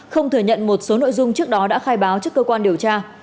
không thừa nhận một số nội dung trước đó đã khai báo trước cơ quan điều tra